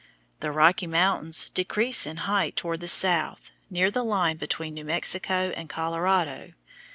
The Rocky Mountains decrease in height toward the south, near the line between New Mexico and Colorado.